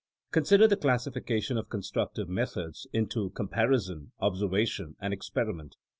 Consider the classifica tion of constructive methods into comparison, observation, and experiment.